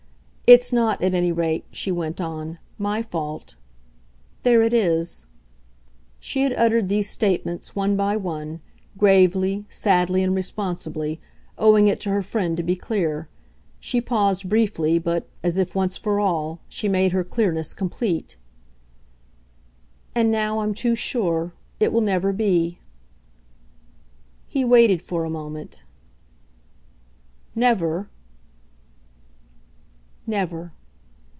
It's not, at any rate," she went on, "my fault. There it is." She had uttered these statements, one by one, gravely, sadly and responsibly, owing it to her friend to be clear. She paused briefly, but, as if once for all, she made her clearness complete. "And now I'm too sure. It will never be." He waited for a moment. "Never?" "Never."